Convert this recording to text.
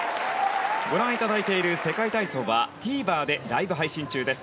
ご覧いただいている世界体操はＴＶｅｒでライブ配信中です。